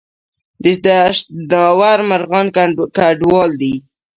د دشت ناور مرغان کډوال دي